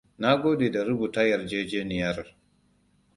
Na gode da rubuta Yarjejeniyar.